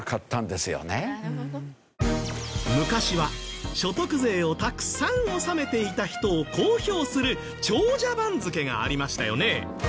昔は所得税をたくさん納めていた人を公表する長者番付がありましたよね。